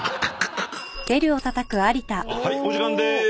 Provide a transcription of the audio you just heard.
はいお時間でーす。